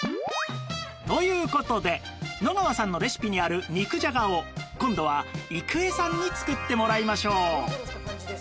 という事で野川さんのレシピにある肉じゃがを今度は郁恵さんに作ってもらいましょう